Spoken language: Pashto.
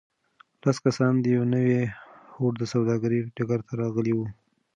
لس کسان په یوه نوي هوډ د سوداګرۍ ډګر ته راغلي وو.